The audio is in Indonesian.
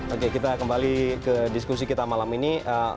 oke kita kembali ke diskusi kita malam ini